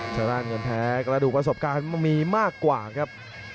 ทางด้านเงินแท้กระดูกประสบการณ์มีมากกว่าครับ